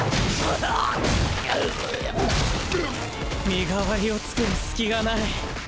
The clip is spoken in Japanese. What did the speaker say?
身代わりを作る隙がない。